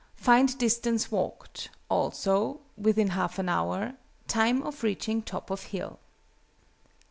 Find distance walked: also (within half an hour) time of reaching top of hill."